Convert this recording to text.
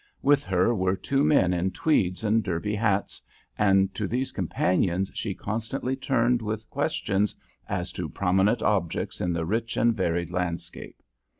With her were two men in tweeds and Derby hats, and to these companions she constantly turned with questions as to prominent objects in the rich and varied landscape.